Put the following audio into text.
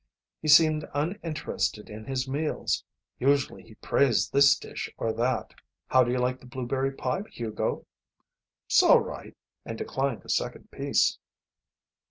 He seemed uninterested in his meals. Usually he praised this dish, or that. "How do you like the blueberry pie, Hugo?" "'S all right." And declined a second piece.